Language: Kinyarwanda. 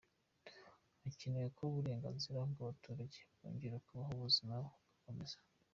Hakenewe ko uburenganzira bw’abaturage bwongera kubaho ubuzima bugakomeza.